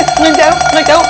nggak usah hati